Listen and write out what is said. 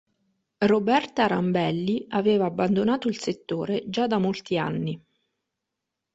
Roberta Rambelli aveva abbandonato il settore già da molti anni.